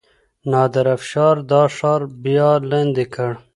نادر افشار دا ښار بیا لاندې کړ.